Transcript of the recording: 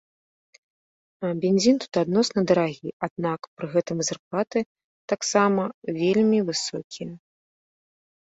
Бензін тут адносна дарагі, аднак, пры гэтым і зарплаты таксама вельмі высокія.